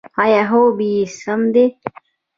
ایا خوب یې سم دی؟